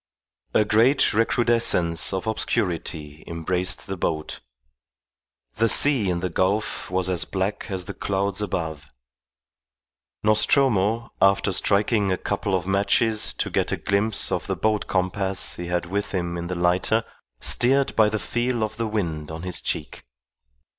A great recrudescence of obscurity embraced the boat. The sea in the gulf was as black as the clouds above. Nostromo, after striking a couple of matches to get a glimpse of the boat compass he had with him in the lighter, steered by the feel of the wind on his cheek.